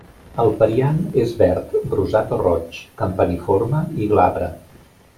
El periant és verd, rosat o roig, campaniforme i glabre.